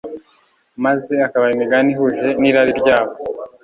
maze akabaha imigani ihuje n'irari ryabo.